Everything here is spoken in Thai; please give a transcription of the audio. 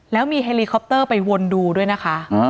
แล้วมีเฮลีคอปเตอร์ไปวนดูด้วยนะคะ